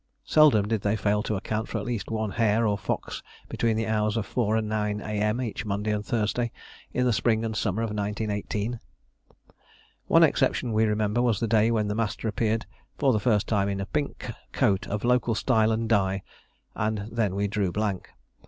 Seldom did they fail to account for at least one hare or fox between the hours of 4 and 9 A.M. each Monday and Thursday in the spring and summer of 1918. One exception we remember was the day when the master appeared for the first time in a pink coat of local style and dye, and then we drew blank.